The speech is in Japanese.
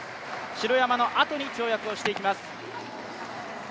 城山のあとに跳躍をしていきます。